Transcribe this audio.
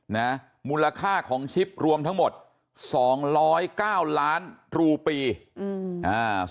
นะมูลค่าของชิปรวมทั้งหมดสองร้อยเก้าล้านรูปีอืมอ่า